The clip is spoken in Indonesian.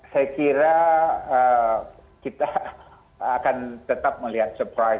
saya kira kita akan tetap melihat surprise